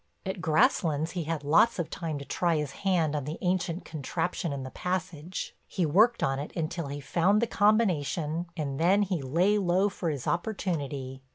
At Grasslands he had lots of time to try his hand on the ancient contraption in the passage. He worked on it until he found the combination and then he lay low for his opportunity.